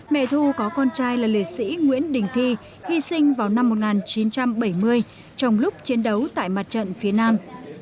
mẹ thu có con trai là liệt sĩ nguyễn đình thi hy sinh vào năm một nghìn chín trăm bảy mươi trong lúc chiến đấu tại mặt trận phía nam